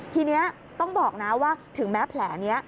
ทีนี้ต้องบอกนะว่าถึงแม้แผลนี้